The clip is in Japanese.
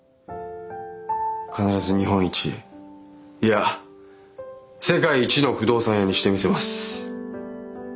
必ず日本一いや世界一の不動産屋にしてみせます！